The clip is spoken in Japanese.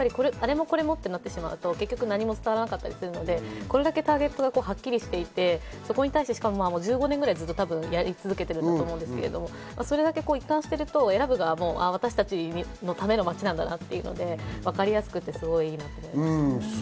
あれもこれもとなると、結局何も伝わらなかったりするので、これだけターゲットがはっきりしていて、しかも１５年くらいやり続けているんだと思いますけれども、一貫していると、選ぶ側も私たちのための街なんだなとわかりやすくて、すごくいいなと思いました。